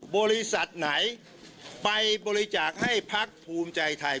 บริษัทไหนไปบริจาคให้พักภูมิใจไทย